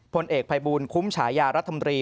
พลเอกภัยบูลคุ้มฉายารัฐมนตรี